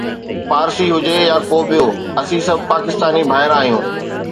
پارسي هجي يا ڪو ٻيو، اسين سڀ پاڪستاني ڀائر آهيون